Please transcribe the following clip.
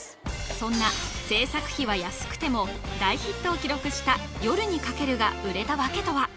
そんな制作費は安くても大ヒットを記録した「夜に駆ける」が売れた訳とは？